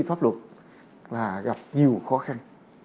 khi pháp luật là gặp nhiều khó khăn